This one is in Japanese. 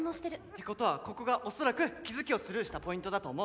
てことはここが恐らく気付きをスルーしたポイントだと思う。